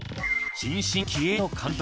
新進気鋭の監督